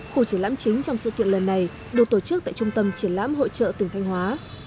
khu triển lãm chính trong sự kiện lần này được tổ chức tại trung tâm triển lãm hội trợ tỉnh thanh hóa